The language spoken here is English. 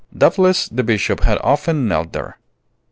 Doubtless the Bishop had often knelt there.